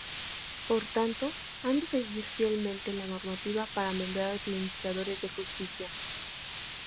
Por tanto, han de seguir fielmente la normativa para nombrar administradores de justicia.